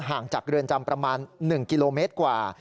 ห่างจากเรือนจำประมาณ๑กิโลเมตรกว่า